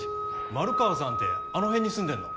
丸川さんってあの辺に住んでんの？